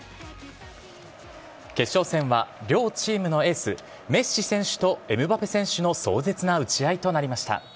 決勝戦は両チームのエース、メッシ選手とエムバペ選手の壮絶な打ち合いとなりました。